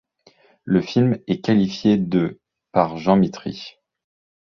Le film est qualifié de par Jean Mitry.